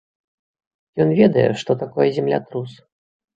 Ён ведае, што такое землятрус.